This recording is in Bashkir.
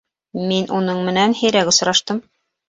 Мин уның менән һирәк осраштым.